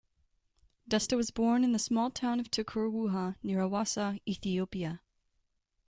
Desta was born in the small town of Tiqur Wuha near Awassa, Ethiopia.